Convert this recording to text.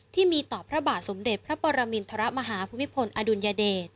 ที่มีต่อพระบาทสมเด็จพระปรมินทรมาฮาภูมิพลอดุลยเดช